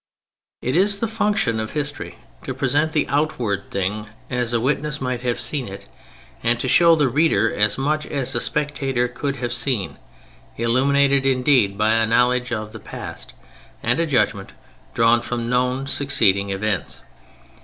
It is the function of history to present the outward thing, as a witness might have seen it, and to show the reader as much as a spectator could have seen—illuminated indeed by a knowledge of the past—and a judgment drawn from known succeeding events.